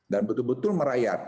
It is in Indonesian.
dan betul betul merayat